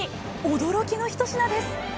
驚きの一品です！